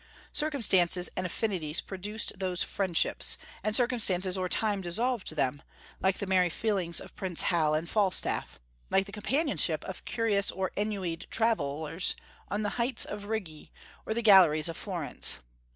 Circumstances and affinities produced those friendships, and circumstances or time dissolved them, like the merry meetings of Prince Hal and Falstaff; like the companionship of curious or ennuied travellers on the heights of Righi or in the galleries of Florence.